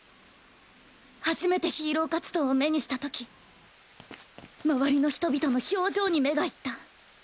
初めてヒーロー活動を目にした時周りの人々の表情に目が行った。